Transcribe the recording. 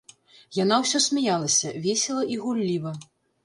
Яна ўсё смяялася, весела і гулліва.